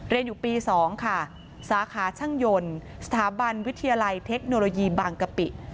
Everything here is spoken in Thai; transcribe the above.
เรียนอยู่ปี๒ค่ะสาขาช่างยนต์สถาบันวิทยาลัยเทคโนโลยีบางกะปิ